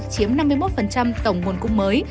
chiếm năm mươi một tổng nguồn cung mới